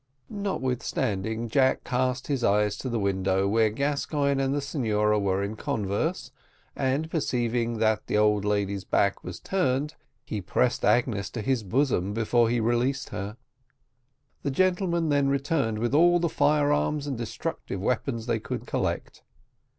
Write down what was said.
Notwithstanding, Jack cast his eyes to the window where Gascoigne and the senora were in converse, and perceiving that the old lady's back was turned, he pressed Agnes to his bosom before he released her. The gentlemen then returned with all the fire arms and destructive weapons they could collect.